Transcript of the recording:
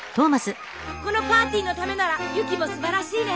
このパーティーのためなら雪もすばらしいね！